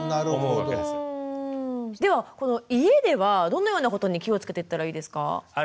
ではこの家ではどのようなことに気をつけていったらいいですか？